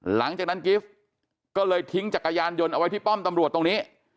หลังจากนั้นกิฟต์ก็เลยทิ้งจักรยานยนต์เอาไว้ที่ป้อมตำรวจตรงนี้